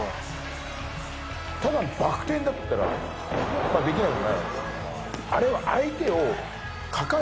ただのバク転だったらできなくもないわけよ。